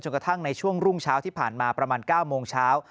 กระทั่งในช่วงรุ่งเช้าที่ผ่านมาประมาณ๙โมงเช้า